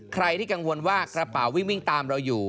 ใครที่กังวลว่ากระเป๋าวิ่งวิ่งตามเราอยู่